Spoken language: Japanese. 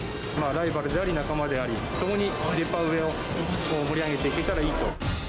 ライバルであり、仲間であり、共にデパ上を盛り上げていけたらいいと。